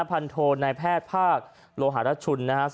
พันธนในแพทย์ภาคโลหารชุนนะฮะ